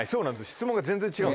質問が全然違う。